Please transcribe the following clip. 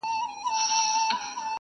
باران به اوري نۀ بۀ زۀ يم نۀ به جام هلکه